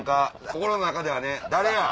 心の中ではね誰や！